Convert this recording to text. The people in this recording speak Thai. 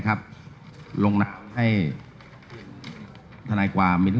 ของอาจารย์มากอยู่